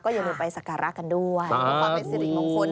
ก็อย่าลืมไปสักการะกันด้วย